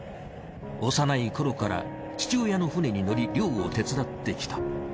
幼いころから父親の船に乗り漁を手伝ってきた。